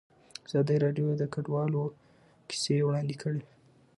ازادي راډیو د کډوال کیسې وړاندې کړي.